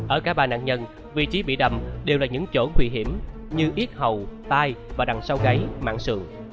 ở cả ba nạn nhân vị trí bị đầm đều là những chỗ nguy hiểm như ít hầu tai và đằng sau gáy mạng sườn